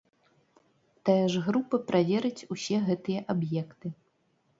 Тая ж група праверыць ўсе гэтыя аб'екты.